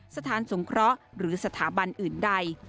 สถานสงเคราะห์หรือสถาบันอื่นใด